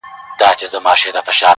یا د جنګ پر ډګر موږ پهلواني کړه!.